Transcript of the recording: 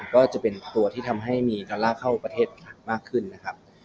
ก็จะเป็นตัวที่ทำให้มีดอลลาร์เข้าประเทศมากขึ้นนะครับ